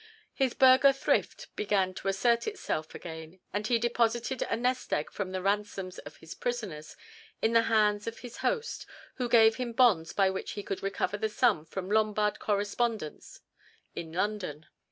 His burgher thrift began to assert itself again, and he deposited a nest egg from the ransoms of his prisoners in the hands of his host, who gave him bonds by which he could recover the sum from Lombard correspondents in London.